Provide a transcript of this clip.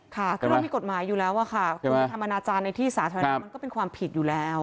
ค่ะเขาต้องมีกฎหมายอยู่แล้วคุณอาจารย์ในที่สาธารณะมันก็เป็นความผิดอยู่แล้ว